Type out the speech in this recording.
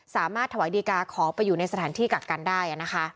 สามารถถวายดีกาขอไปอยู่ในสถานที่กักกันได้นะคะ